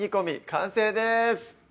完成です